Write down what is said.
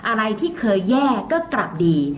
อะไรที่เคยแย่ก็กลับดี